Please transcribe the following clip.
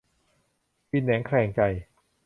กินแหนงแคลงใจ